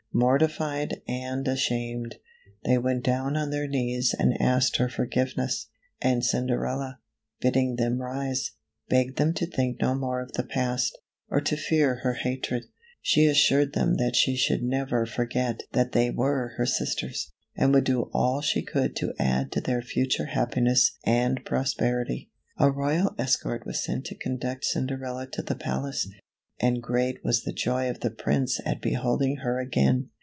Mortified and ashamed, they went down on their knees and asked her forgiveness, and Cinderella, bidding them rise, begged them to think no more of the past, or to fear her hatred. She assured them that she should never forget that they were her sisters, and would do all she could to add to their future happiness and prosperity. A royal escort was sent to conduct Cinderella to the palace, and great was the joy of the Prince at beholding her again.